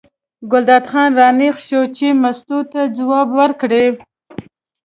ګلداد خان را نېغ شو چې مستو ته ځواب ورکړي.